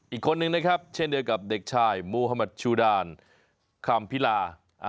อีกคนหนึ่งนะครับเช่นเดียวกับเด็กชายมหสสูดาลคามภิลา